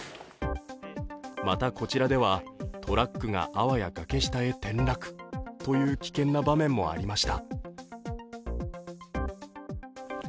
また、こちらではトラックがあわや崖下へ転落という危険な場面もありました。